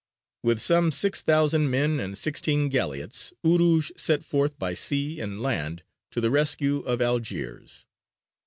_)] With some six thousand men and sixteen galleots Urūj set forth by sea and land to the rescue of Algiers.